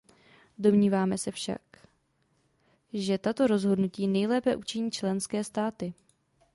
Domníváme se však, že tato rozhodnutí nejlépe učiní členské státy.